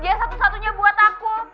ya satu satunya buat aku